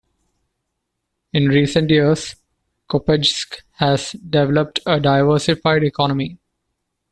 In recent years Kopejsk has developed a diversified economy.